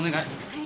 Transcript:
はい。